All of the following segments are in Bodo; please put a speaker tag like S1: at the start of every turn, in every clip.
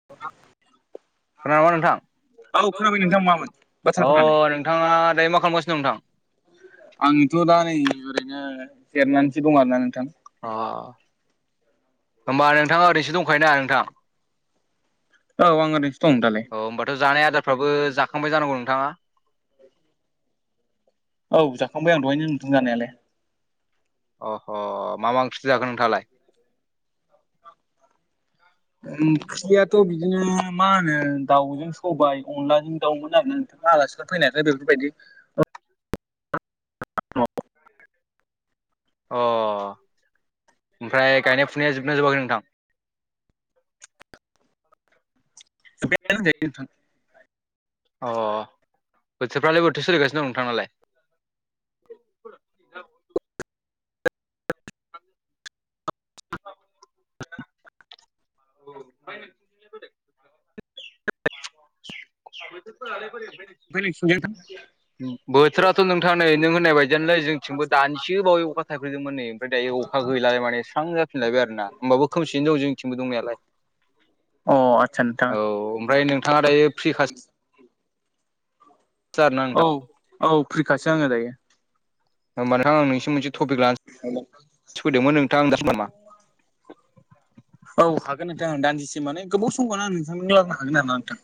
S1: [inaudible]
S2: रावा नोंथां
S1: औ खोनाबाय नोंथां मामोन
S2: अ
S1: बाथ्राफोरालाय
S2: नोंथाङा दायो मा खालामबासिनों नोंथां?
S1: आंथ' दा नै ओरैनो जेरनानैसो दं आरोना नोंथां।
S2: अ होमबा नोंथाङा ओरैसो दंखायोना नोंथां।
S1: औ आं ओरैनोसो दालाय।
S2: औ होनोमबाथ' जानाय आदारफ्राबो जाखांबाय जानांगौ नोंथाङा?
S1: औ जाखांबाय आं दहायनो नुदों जानायालाय।
S2: अह अह मा मा ओंख्रि जागोन नोंथाङालाय?
S1: ओंख्रियाथ' बिदिनो मा होनो दाउजों सबाय अनलाजों दाउमोन आरो ना। आलासिफोर फैनानै गोदोफोरबायदि
S2: अ ओमफ्राय गायनाय फुनाया जोबना जोबाखै नोंथां?
S1: [unintelligible]
S2: अ बोथोरफ्रालाय बोथोर सोलिगासिनो दं नोंथांनालाय? [unintelligible] [unintelligible] बोरै
S1: ओमफ्राय नोंसिनजों खाथि जाया?
S2: बोथोराथ' नोंथां नै नों होननाय बायदियानोलै जोंथिंबो दानिसो बावै अखा थाइफैदोंमोन नै ओमफ्राय दायो अखा गैला माने स्रां जाफिनलायबाय आरो ना। होमबाबो खोमसियैनो दं जोंथिंबो दंनायालाय।
S1: अ आतसा नोंथां।
S2: औ ओमफ्राय नोंथाङा दायो फ्रि [unintelligible] [unintelligible] आरो ना
S1: औ औ फ्रिखासो आङो दायो।
S2: मानोना आं नोंनिसिम मोनसे थपिक [unintelligible]
S1: [unintelligible]
S2: [unintelligible]
S1: औ हागोन नोंथांं। दान्दिसे माने गोबाव सम नोंथांनो रायलायनो हागोन आरो ना नोंथां।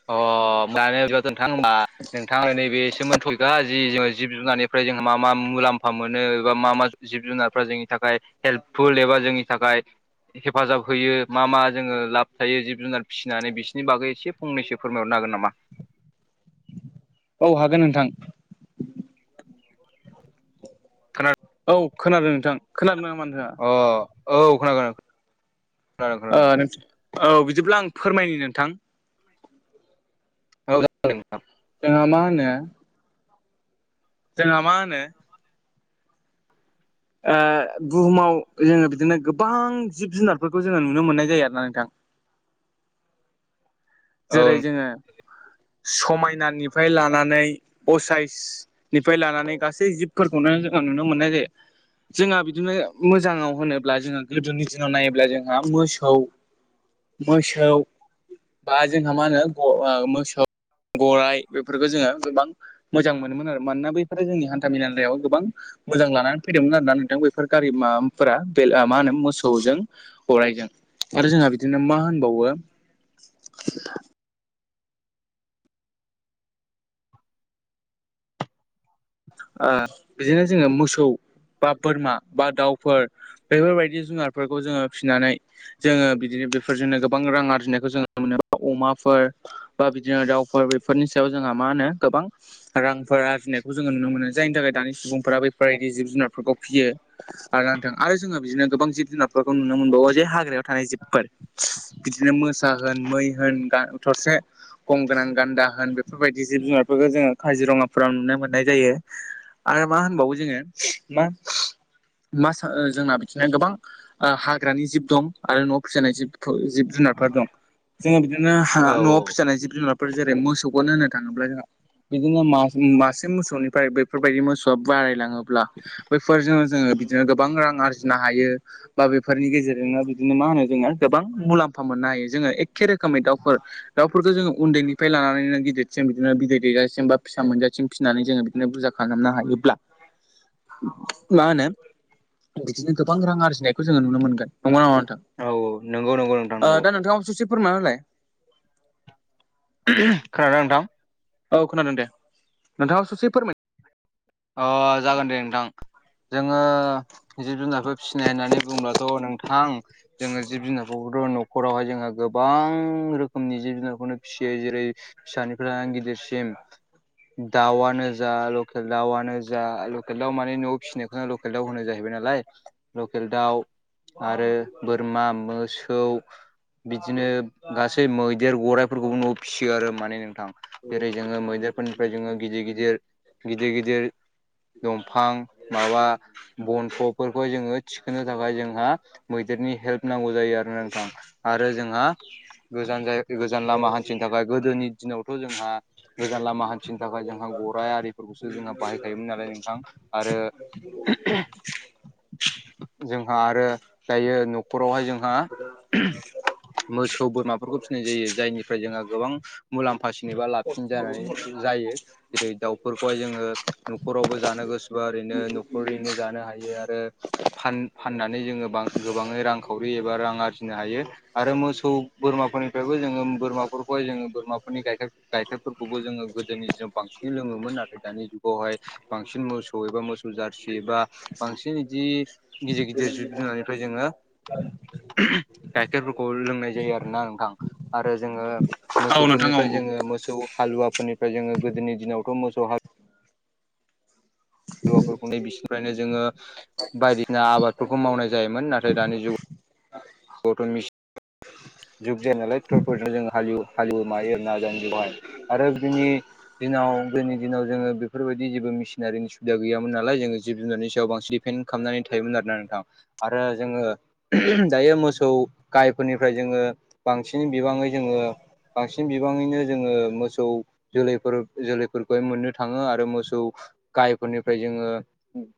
S2: [unintelligible] नोंथां होमबा नोंथाङा [unintelligible] दा जि जोङो जिब- जुनारनिफ्राय जों मा मा मुलाम्फा मोनो एबा मा मा जिब जुनारफ्रा जोंनि थाखाय हेल्पफुल एबा जोंनि थाखाय हेफाजाब होयो मा मा जोङो लाब थायो जिब जुनार फिसिनानै बिसोरनि बागै एसे फंनैसो फोरमायहरनो हागोन नामा?
S1: औ हागोन नोंथां।
S2: [unintelligible]
S1: औ खोनादों नोंथां खोनादों नामा नोंथाङा?
S2: अ औ खोनादों। खोनादों
S1: ओ
S2: खोनादों
S1: औ बिदिब्ला आं फोरमायनि नोंथां।
S2: औ जागोन नोंथां।
S1: जोंहा मा होनो जोंहा मा होनो बुहुमाव जोङो बिदिनो गोबां जिब जुनारफोरखौ जोङो नुनो मोननाय जायो आरोना नोंथां।
S2: औ
S1: जेरै जोङो समायनानिफ्राय लानानै असायस -निफ्राय लानानै गासै जिबफोरखौनो जोङो नुनो मोननाय जायो। जोंहा बिदिनो मोजाङाव होनोब्ला जोङो गोदोनि दिनाव नायोब्ला जोंहा मोसौ मोसौ बा जोंहा मा होनो मोसौ, गराइ बेफोरखौ जोङो गोबां मोजां मोनोमोन आरो मानोना बैफोरो जोंनि हान्थामेलायाव गोबां मोजां लानानै फैदोंमोन आरोना नोंथां बेफोर गारि माफोरा बे मा होनो मोसौजों गरायजों आरो जोंहा बिदिनो मा होनबावो [unintelligible] बिदिनो जोङो मोसौ बा बोरमा बा दाउफोर बेफोरबायदि जुनारफोरखौ जोङो फिसिनानै जोङो बिदिनो बेफोरजोंनो गोबां रां आरजिनायखौ जोंङो नुनो मोनो। अमाफोर बा बिदिनो दाउफोर बेफोरनि सायाव जोंहा मा होनो गोबां रां आरजिनायखौ जों जोङो नुनो मोनो। जायनि थाखाय दानि सुबुंफोरा बेैफोरबायदि जिब- जुनारफोरखौ फियो। आरो नोंथां आरो जोङो बिदिनो गोबां जिब- जुनारफोरखौ नुनो मोनबावो जे हाग्रायाव थानाय जिबफोर बिदिनो मोसा होन मै होन थसे गं गोनां गान्दा होन बेफोरबायदि जिब- जुनारफोरखौ जोङो काजिरङाफोराव नुनो मोनो। मोननाय जायो आरो मा होनबावो जोङो मा मा सा- जोंना बिदिनो गोबां हाग्रानि जिब दं आरो न' फिसिजानाय जिब-जिब जुनारफोर दं। जोङो बिदिनो
S2: औ
S1: न'आव फिजानाय जिब -जुनार जेरै मोसौखौनो होननो थाङोब्ला जों बिदिनो मा- मा मोसौनिफ्राय बैफोरबायदि मोसौआ बारायलाङोब्ला बैफोरजों जोङो बिदिनो गोबां रां आरजिनो हायो। बा बेफोरनि गेजेरजोंनो बिदिनो मा होनो जोङो गोबां मुलाम्फा मोननो हायो जोङो एखे रोखोमै दाउफोर दाउफोरखौ जोङो उन्दैनिफ्राय लानानैनो गिदिरसिम बिदिनो बिदै दैजासिम बा फिसा मोनजासिम फिसिनानै जोङो बिदिनो बुरजा खालामनो हायोब्ला मा होनो बिदिनो गोबां रां आरजिनायखौ जोङो नुनो मोनगोन। नंगौना नङा नोंथां?
S2: औ नंगौ नंगौ नोंथां
S1: ओ
S2: नंगौ
S1: दा नोंथांआबो ससे फोरमायना होलाय
S2: खोनादोंना नोंथां?
S1: औ खोनादों दे। नोंथाङा ससे फोरमाय
S2: अ जागोन दे नोंथां। जोङो जिब जुनारफोर फिसिनाय होननानै बुंङोब्लाथ' नोंथां। जोङो जिब जुनारफोरखौथ' न'खरावहाय जोंङो गोबां रोखोमनि जिब जुनारखौनो फिसियो जेरै फिसानिफ्राय लानानै गिदिरसिम दाउआनो जा लकेल दाउआनो जा लकेल दाव माने न'आव फिसिनायखौनो लकेल दाउ होनो जाहैबाय नालाय लकेल दाउ आरो बोरमा मोसौ बिदिनो गासै मैदेर गराइफोरखौबो न'आव फिसियो आरो माने नोंथां जेरै जोङो मैदेरफोरनिफ्राय जोङो गिदिर गिदिर गिदिर गिदिर दंफां माबा बनथ'फोरखौहाय जोङो थिखोनो थाखाय जोंहा मैदेरनि हेल्प नांगौ जायो आरोना नोंथां। आरो जोंहा गोजान जाय गोजान लामा हान्थिनो थाखाय गोदोनि दिनावथ' जोंहा गोजान लामा हान्थिनो थाखाय जोंहा गराइ आरिफोरखौसो जोंहा
S1: फोरमाय
S2: बाहायखायोमोन नालाय नोंथां आरो
S1: [inaudible]
S2: जोंहा आरो दायो न'खरावहाय जोंहा मोसौ बोरमाफोरखौ फिसिनाय जायो, जायनिफ्राय जोंहा गोबां मुलाम फासिन एबा लाबसिन जानानै जायो। जेरै दाउ खौहाय जोङो न'खरावबो जानो गोसोबा ओरैनो न'खरैनो जानो हायो। आरो फान-फाननानै जोङो बां गोबाङै रांखावरि एबा रां आरजिनो हायो। आरो मोसौ बोरमाफोरनिफ्रायबो जोङो बोरमाफोरखौहाय जोङो बोरमाफोरनि गाइखेर गाइखेरफोरखौबो जोङो गोदोनि दिनाव बांसिन लोङोमोन आरो नाथाय दानि जुगावहाय बांसिन मोसौ एबा मोसौ जारसि एबा बांसिन बिदि गिदिर गिदिर जिब जुनारनिफ्राय जोङो गाइखेरफोरखौ लोंनाय जायो आरो ना नोंथां। आरो जोङो
S1: औ नोंथां औ
S2: मोसौफोरनिफ्राय जोङो मोसौ हालुवफोरनिफ्राय जो गोदोनि दिनावथ' मोसौ हा लुवाफोरखौ बिसिनिफ्रायनो जोङो बायदिसिना आबादफोरखौ मावनाय जायोमोन। नाथाय दानि जु गावथ मि जुग जाया नालाय टरफोरजों जों हव हालव मा एना जानो बेवहाय आरो बिनि दिनाव गोदोनि दिनाव जोङो बेफोरबायदि जेबो मेसिनारिनि सुबिदा गैयामोन नालाय जोङो जिब जुनारनि सायाव बांसिन टेन खालामनानै थायोमोन आरोना नोंथां। आरो जोङो दायो मो सौ गायफोरनिफ्राय जोङो बांसिन बिबाङै जोङो बांसिन बिबाङैनो जोङो मोसौ जोलैफोर जोलैफोरखौहाय मोननो थाङो आरो मोसौ गायफोरनिफ्राय जोङो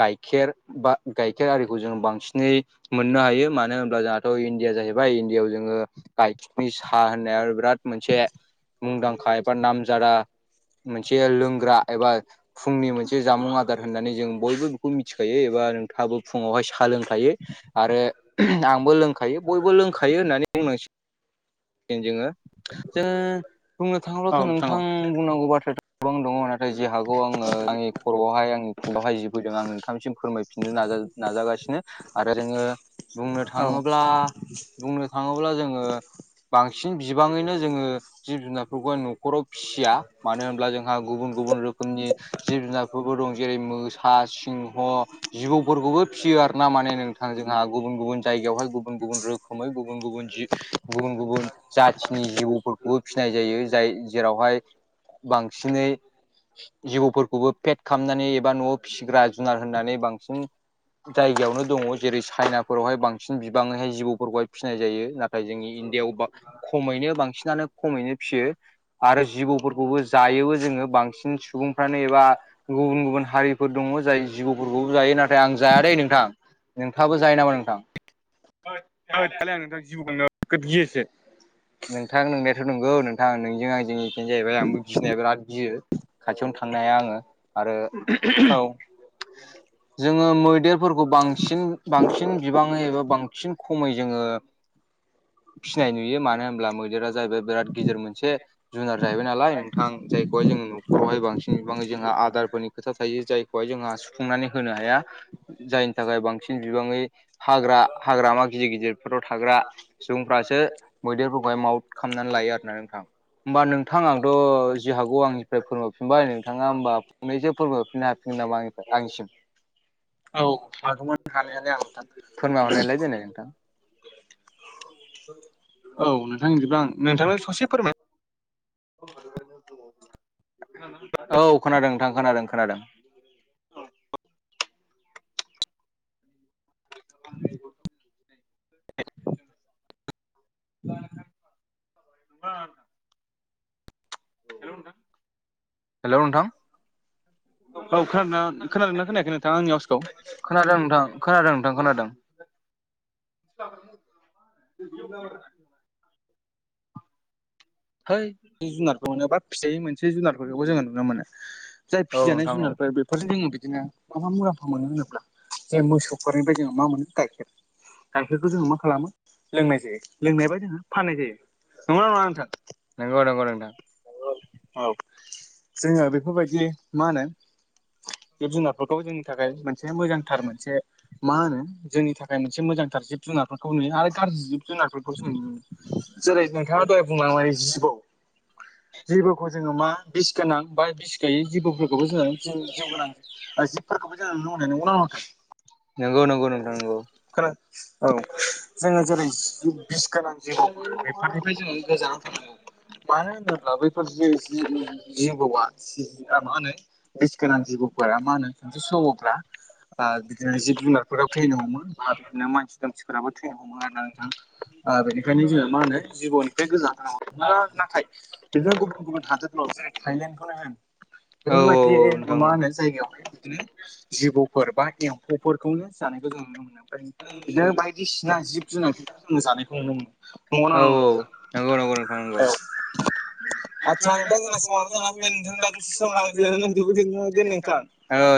S2: गाइखेर बा गाइखेर आरिखौ जों बांसिनै मोननो हायो मानो होन्ला जों थ' इण्डिया जाहैबाय इण्डिया आआव जोङो गाइखेरनि साहा होननाय बिराद मोनसे मुंदांखा एबा नामजादा मोनसे लोंग्रा एबा फुंनि मोनसे जामुं आदार होननानै जों बयबो बेखौ मिथिखायो एबा नोंथाङाबो फुङावहाय सा लोंखायो। आरो आंबो लोंखा खायो बयबो लोंखायो होननानै बुंनांसिगोन जोङो जोङो बुंनो
S1: औ
S2: थाङोब्लाथ'
S1: औ
S2: नोंथां बुंनांगौ बाथ्र गोबां दङ नाथाय जे हागौ आङो आंनि खर'आवहाय आंनि फुगावहाय जि फैदों आं नोंथांनिसिम फोरमायफिननो नाज नाजागासिनो आरो जोङो बुंनो
S1: औ
S2: थाङोब्ला बुंनो थाङोब्ला जोङो बांसिन बिबाङैनो जोङो जिब जुनारफोरखौ न'खराव फिसिया मानो होनब्ला जोंहा गुबुन गुबुन रोखोमनि जिब जुनारफोरबो दं जेरै मोसा सिंह जिबौफोरखौबो फिसियो आरो ना माने नोंथां जोंहा गुबुन गुबुन जायगायावहाय गुबुन गुबुन रोखोमै गुबुन गुबुन जिब गुबुन गुबुन जाथिनि जिबौफोरखौबो फिसिनाय जायो जाय जेरावहाय बांसिनै जिबौफोरखौबो फेट खालामनानै एबा न'आव फिसिग्रा जुनार होननानै बांसिन जायगायावनो दङ जेरै चाइनाफोरावहाय बांसिन गोबाङैहाय जिबौफोरखौहाय फिसिनाय जायो नाथाय जोंनि इण्डियाआव बां खमैनो बांसिनानो खमैनो फिसियो आरो जिबौफोरखौबो जायोबो जोङो बांसिन सुबुंफ्रानो एबा गुबुन गुबुन हारिफोर दङ जाय जिबौफोरखौबो जायो नाथाय आं जायादै नोंथां। नोंथाङाबो जायो नामा नोंथां?
S1: ओइ दालाय आं नोंथां जिबौखौ नोगोद गियोसो
S2: नोंथां नोंनायाथ' नंगौ नोंथां नोंजों आंजों एखेनो जाहैबाय आंबो गिनाया बिराद गियो खाथियावनो थांनाय हा आङो आरो
S1: औ
S2: [inaudible] जोङो मैदेरफोरखौ बांसिन बांसिन बिबाङै एबा बांसिन खमै जोङो फिनाय नुयो मानो होनब्ला मैदेरा जाहैबाय बिराद गिदिर मोनसे जुनार जाहैबाय नालाय नोंथां जायखौहाय जोंङो न'खरावहाय बांसिन बिबांङै जोंहा आदारफोरनि खोथा थायो जायखौहाय जोंहा सुफुंनानै होनो हाया। जायनि थाखाय बांसिन बिबाङै हाग्रा हाग्रामा गिदिर गिदिरफोराव थाग्रा सुबुंफ्रासो मैदेरफोरखौहाय माउट खालामनानै लायो आरोना नोंथां। होमबा नोंथां आंथ' जि हागौ आंनिफ्राय फोरमायफिनबाय नोंथाङा होमबा फंनैसो फोरमायफिननो हा होनना आंसिम
S1: औ हागौमोन हानाया लाय आं
S2: फोरमाय हरनायलाय देनाय नोंथां।
S1: औ नोंथांनिबां नोंथां ससे फोरमाय
S2: औ खोनादों नोंथां खोनादों खोनादों। [inaudible] [inaudible] हेल नोंथां हेल' नोंथां
S1: औ खोनादों खोनादोंना खोनायाखै नोंथाङा आंनि हउसखौ?
S2: खोनादों नोंथां खोनादों नोंथां खोनादों। [inaudible] है
S1: जुनारखौ मोनो बा फिजाय मोनसे जुनारफोरखौबो जोङो नुनो मोनो जाय
S2: औ
S1: फिजानाय
S2: नोंथां औ
S1: जुनारफोर बे बेफोर जोङो बिदिनो मा मा मुलाम्फा मोनो होनोब्ला जे मोसौफोरनिफ्राय जोङो मा मोनो गाइखेर गाइखेरखौ जोङो मा खालामो लोंनाय जायो लोंनाय बा जोङो फाननाय जायो नंगौ ना नङा नोंथां।
S2: नंगौ नोंगौ नोंथां।
S1: औ जोङो बेफोरबायदि मा होनो जिब जुनारफोरखौ जोंनि थाखाय मोनसे मोजांथार मोनसे मा होनो जोंनि थाखाय मोनसे मोजांथार जिब जुनारफोरखौ नुयो आरो गाज्रि जुनारफोरखौ सों जेरै नोंथाङा दहाय बुंलाङ माने जिबौ जेबखौ जोङो मा बिस गोनां बा बिस गोयै जिबौफोरखौबो जोङो जि जिउ गोनां जिबफोरखौबो जोङो नंगौ ना नङा नोंथां
S2: नोंगौ नंगौ नोंथां नोंगौ नंगौ
S1: खोन औ जोङो जेरै बिस गोनां जेबोौफोर बेफारनिफ्राय जोङो गोजानाव थानांगौ। मानो होनोब्ला बैफोर जिबौआ मा होनो इस गोनां जिबौफोरा मा होनो सानसे सम'फ्रा बा बिदिनो जिब जुनारफोराव थैनो हमो बा बिदिनो मानसि दामसिफोराबो थैनो हमोम आरो। नोंथां बेनिखायनो जोङो मा होनो जिबौनिफ्राय गोजान नाथाय बिदिनो गुबुन गुबुन हादोरफ्राव जेरै थाइलेण्डखौनो होन
S2: औ औ
S1: बेफोरबायदि
S2: औ नोंथां
S1: मा होनो जायगायावहाय बिदिनो जिबौफोर बा एम्फौफोरखौनो जानायखौ जों नु ओमफ्राय बिदिनो बायदिसिना जिब जुनारफोरखौ जोङो जानायखौ नुनो मोनो नंगौ
S2: औ
S1: ना
S2: औ औ
S1: नंङा
S2: नंगौ नंगौ
S1: नोंथां औ
S2: नंगौ [unintelligible]
S1: [unintelligible]
S2: औ